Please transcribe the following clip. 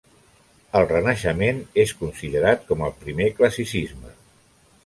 El Renaixement és considerat com el primer classicisme.